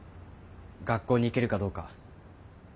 学校に行けるかどうか。